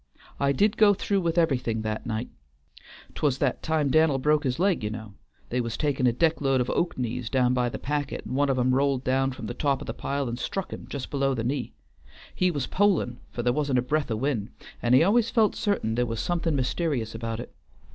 I did go through with everything that night. 'T was that time Dan'l broke his leg, you know; they was takin' a deck load of oak knees down by the packet, and one on 'em rolled down from the top of the pile and struck him just below the knee. He was poling, for there wan't a breath o' wind, and he always felt certain there was somethin' mysterious about it.